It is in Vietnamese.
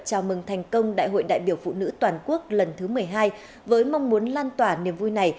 chào mừng thành công đại hội đại biểu phụ nữ toàn quốc lần thứ một mươi hai với mong muốn lan tỏa niềm vui này